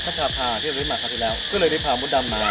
สวัสดีค่ะแล้วปีอำคือเป็นขอยบุญข้างล่างนี้เลย